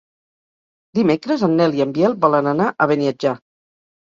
Dimecres en Nel i en Biel volen anar a Beniatjar.